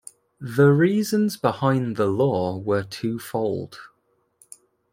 The reasons behind the law were twofold.